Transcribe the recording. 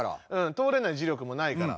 通れない磁力もないから。